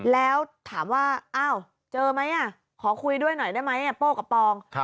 แล้วถามว่าอ้าวเจอไหมขอคุยด้วยหน่อยได้ไหมโป้กับปอง